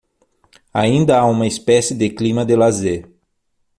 Ainda há uma espécie de clima de lazer